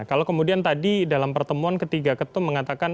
kalau kemudian tadi dalam pertemuan ketiga ketum mengatakan